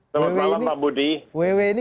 selamat malam pak budi